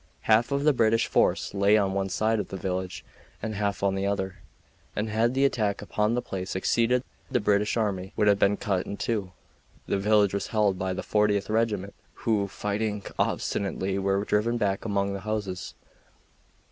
Half of the British force lay on one side of the village, and half on the other, and had the attack upon the place succeeded the British army would have been cut in two. The village was held by the Fortieth Regiment, who, fighting obstinately, were driven back among the houses.